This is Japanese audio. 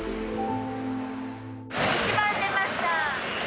・１番出ました。